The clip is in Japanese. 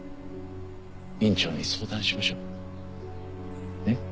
院長に相談しましょう。